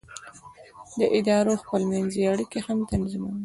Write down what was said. دا د ادارو خپل منځي اړیکې هم تنظیموي.